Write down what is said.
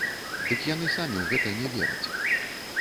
Дык яны самі ў гэта не вераць.